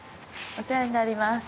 お世話になります。